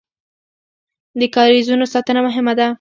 د کاریزونو ساتنه مهمه ده